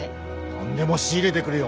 何でも仕入れてくるよ。